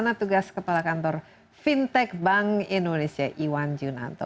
bersama dengan pelaksana tugas kepala kantor fintech bank indonesia iwan junanto